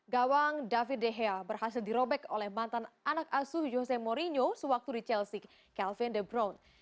gawang david de gea berhasil dirobek oleh mantan anak asuh jose mourinho sewaktu di chelsea calvin de bruyne